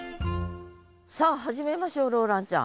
さあ始めましょうローランちゃん。